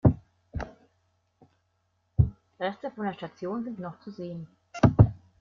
Reste von der Station sind noch zu sehen.